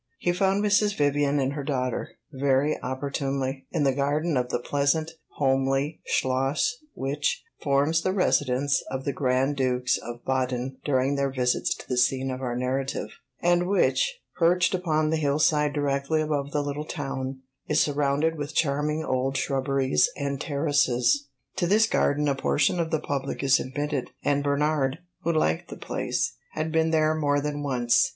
He found Mrs. Vivian and her daughter, very opportunely, in the garden of the pleasant, homely Schloss which forms the residence of the Grand Dukes of Baden during their visits to the scene of our narrative, and which, perched upon the hill side directly above the little town, is surrounded with charming old shrubberies and terraces. To this garden a portion of the public is admitted, and Bernard, who liked the place, had been there more than once.